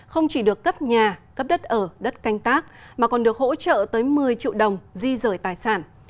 không chỉ được cấp nhà cấp đất ở đất canh tác mà còn được hỗ trợ tới một mươi triệu đồng di rời tài sản